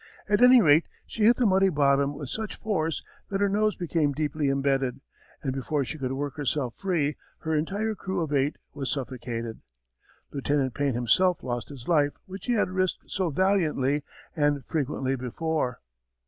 At any rate she hit the muddy bottom with such force that her nose became deeply imbedded and before she could work herself free her entire crew of eight was suffocated. Lieutenant Payne himself lost his life which he had risked so valiantly and frequently before.